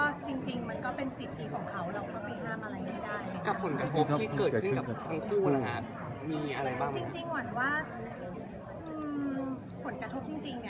เพราะว่าจริงเขาก็ไม่ใช่คนที่มีสินทำงานแบบเราใช่ไหมคะก็ไม่อยากให้เขามามีชื่ออยู่กับเรื่องใหม่ในชีวิตเราเนี้ยนะคะขออนุญาตจริงที่จะ